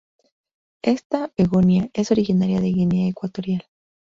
Esta "begonia" es originaria de Guinea Ecuatorial.